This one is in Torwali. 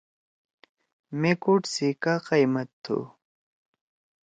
مے کوٹ سی کا قیئمت تُھو؟